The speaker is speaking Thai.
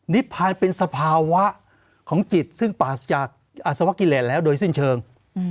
พายเป็นสภาวะของจิตซึ่งปราศจากอัศวกิเลสแล้วโดยสิ้นเชิง